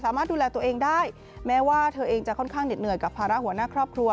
ดูแลตัวเองได้แม้ว่าเธอเองจะค่อนข้างเหน็ดเหนื่อยกับภาระหัวหน้าครอบครัว